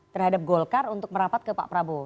terhadap golkar untuk merapat ke pak prabowo